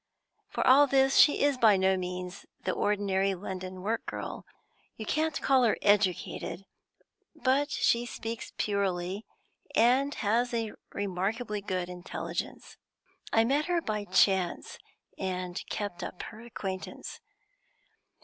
For all this, she is by no means the ordinary London work girl; you can't call her educated, but she speaks purely, and has a remarkably good intelligence. I met her by chance, and kept up her acquaintance.